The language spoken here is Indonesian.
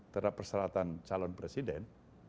terhadap perseratan calon presiden